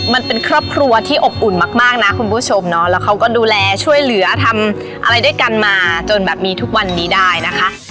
มันเป็นครอบครัวที่อบอุ่นมากนะคุณผู้ชมเนาะแล้วเขาก็ดูแลช่วยเหลือทำอะไรด้วยกันมาจนแบบมีทุกวันนี้ได้นะคะ